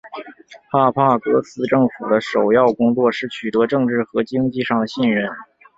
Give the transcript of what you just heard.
帕帕戈斯政府的首要工作是取得政治和经济上的信任。